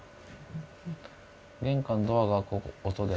玄関ドアが開く音で。